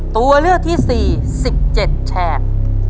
ตัวเลือกที่๔๑๗แฉก